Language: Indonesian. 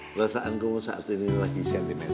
perasaan kamu saat ini lagi sentimeter